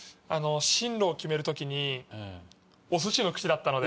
進路を決める時にお寿司の口だったので。